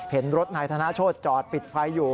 เห็นรถนายธนโชธจอดปิดไฟอยู่